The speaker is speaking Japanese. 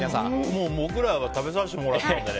もう僕らは食べさせてもらったので。